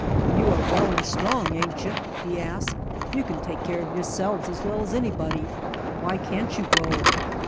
"You are well and strong, ain't you?" he asked. "You can take care of yourselves as well as anybody. Why can't you go?"